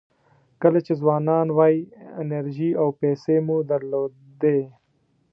کله چې ځوانان وئ انرژي او پیسې مو درلودې.